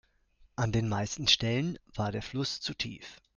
An den meisten Stellen war der Fluss zu tief.